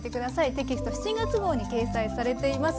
テキスト７月号に掲載されています。